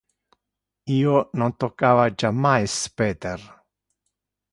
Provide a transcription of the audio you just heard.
Io non toccava jammais Peter.